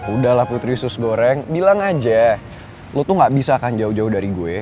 udah lah putri yusus goreng bilang aja lo tuh gak bisa akan jauh jauh dari gue